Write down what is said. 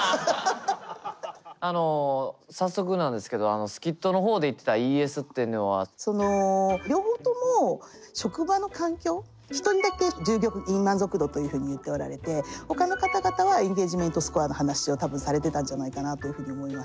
あの早速なんですけどスキットの方で言ってた両方とも一人だけ従業員満足度というふうに言っておられてほかの方々はエンゲージメントスコアの話を多分されてたんじゃないかなというふうに思います。